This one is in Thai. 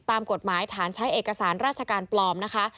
ตามกฎหมายฐานใช้เอกสารราชการปลอมนะคะ